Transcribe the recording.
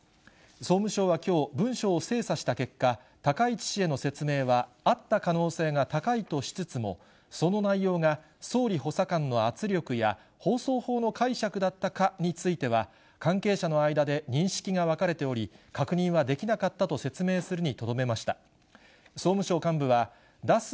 総務省はきょう、文書を精査した結果、高市氏への説明はあった可能性が高いとしつつも、その内容が、総理補佐官の圧力や、放送法の解釈だったかについては、関係者の間で認識が分かれており、確認はできなかったと説明するにとどめました。